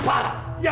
いや。